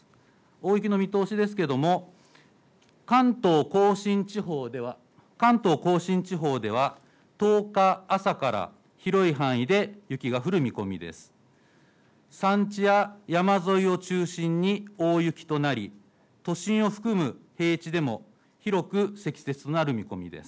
大雪の見通しですけれども関東甲信地方では１０日朝から広い範囲で雪が降る見込みです。